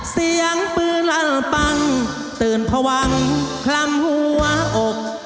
เสียงปืนลั่นปังตื่นพวังคลำหัวอก